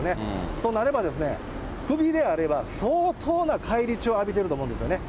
となれば、首であれば相当な返り血を浴びていると思うんですよね。